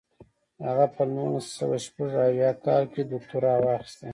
هغه په نولس سوه شپږ اویا کال کې دوکتورا واخیسته.